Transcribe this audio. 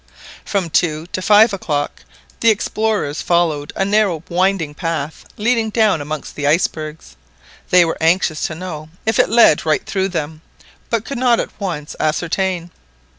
From two to five o'clock the explorers followed a narrow winding path leading down amongst the icebergs; they were anxious to know if it led right through them, but could not at once ascertain.